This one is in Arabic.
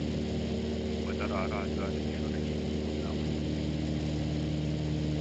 وترعرعتُ على الجرح, وما قلت لأمي